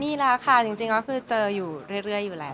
ดีแล้วค่ะจริงก็คือเจออยู่เรื่อยอยู่แล้ว